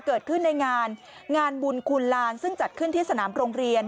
เกิดขึ้นในงานงานบุญคุณลานซึ่งจัดขึ้นที่สนามโรงเรียน